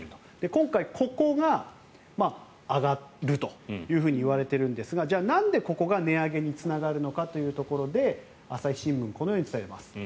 今回、ここが上がると言われているんですがじゃあ、なんでここが値上げにつながるのかということで朝日新聞このように伝えています。